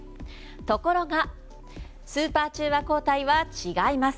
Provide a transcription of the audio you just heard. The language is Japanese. ところがスーパー中和抗体は違います。